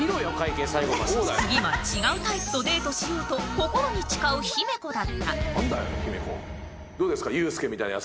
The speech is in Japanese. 次は違うタイプとデートしようと心に誓う姫子だった藤本さん